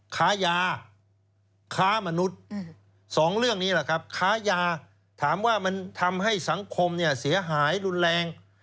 ค้ายาค้ามนุษย์สองเรื่องนี้แหละครับค้ายาถามว่ามันทำให้สังคมเนี่ยเสียหายรุนแรง